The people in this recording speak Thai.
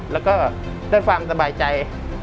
แล้วก็ได้ความสบายใจ